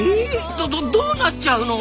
どどどうなっちゃうの？